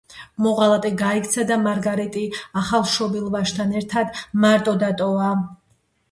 მოღალატე გაიქცა და მარგარეტი ახალშობილ ვაჟთან ერთად მარტო დატოვა.